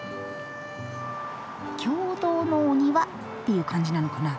共同のお庭っていう感じなのかな？